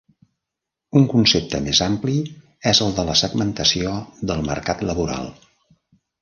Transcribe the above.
Un concepte més ampli és el de la segmentació del mercat laboral.